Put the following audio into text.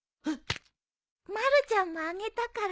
まるちゃんもあげたから。